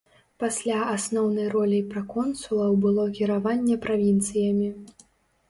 Пасля асноўнай роляй праконсулаў было кіраванне правінцыямі.